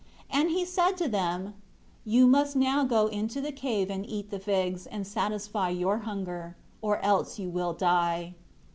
2 And He said to them, "You must now go into the cave and eat the figs, and satisfy your hunger, or else you will die."